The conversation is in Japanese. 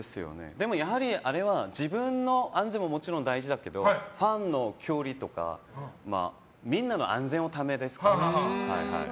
あれは自分の安全ももちろん大事だけどファンの距離とかみんなの安全のためです。